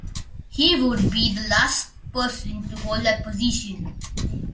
He would be the last person to hold that position.